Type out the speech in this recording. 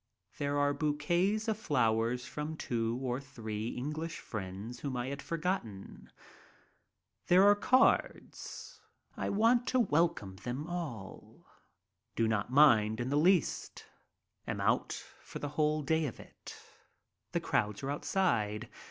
There are bouquets of flowers from two or three English friends whom I had forgotten. There come cards. I want to welcome them all. Do not mind in the least. Am out for the whole day of it. The crowds are outside.